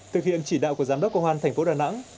thực hiện chỉ đạo của giám đốc công an thành phố đà nẵng